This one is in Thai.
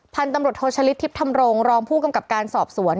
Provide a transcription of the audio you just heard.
พันธุ์ตำรวจโทชะลิดทิพย์ธรรมรงรองผู้กำกับการสอบสวน